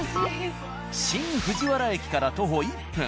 新藤原駅から徒歩１分。